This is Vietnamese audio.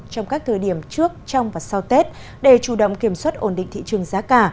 trong các thời điểm trước trong và sau tết để chủ động kiểm soát ổn định thị trường giá cả